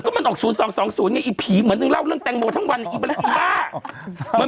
ก็มันออก๐๒๒๐ไงไอ้ผีเหมือนเราเรื่องแตงโมทั้งวันไอ้บ้า